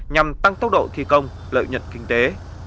nhằm tăng tốc độ thi công lợi nhật kinh tế